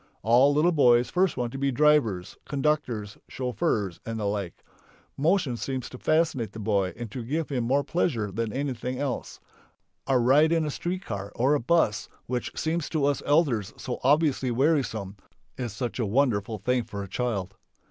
All little boys first want to be drivers, conductors, chauffeurs, and the like. Motion seems to fascinate the boy and to give him more pleasure than anything else. A ride in a street car or a bus which seems to us elders so obviously wearisome is such a wonderful thing for a child.